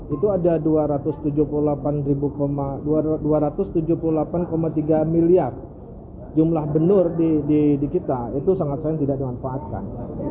itu ada dua ratus tujuh puluh delapan tiga miliar jumlah benur di kita itu sangat sering tidak dimanfaatkan